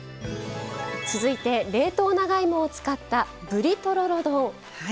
続いて冷凍長芋を使ったぶりとろろ丼。